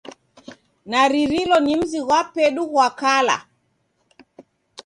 Naririlo ni mzi ghwa pedu ghwa kala.